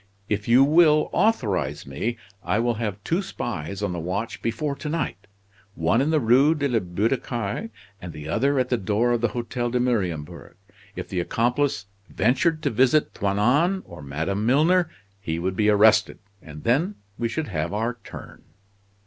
If you will authorize me I will have two spies on the watch before to night, one in the Rue de la Butte aux Cailles, and the other at the door of the Hotel de Mariembourg. If the accomplice ventured to visit Toinon or Madame Milner he would be arrested; and then we should have our turn!"